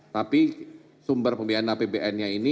tapi sumber pembiayaan apbn nya ini